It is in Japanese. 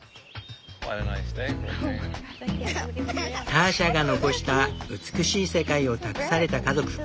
ターシャが残した美しい世界を託された家族。